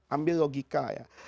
ambil logika ya